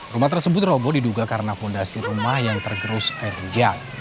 rumah tersebut robo diduga karena fondasi rumah yang tergerus air hujan